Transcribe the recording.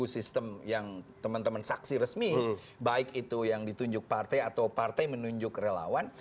sistem yang teman teman saksi resmi baik itu yang ditunjuk partai atau partai menunjuk relawan